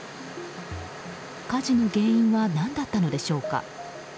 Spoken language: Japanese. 火事の原因は何だったのでしょうか。